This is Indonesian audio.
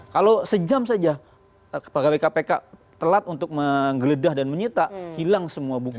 kalau sejam saja pegawai kpk telat untuk menggeledah dan menyita hilang semua bukti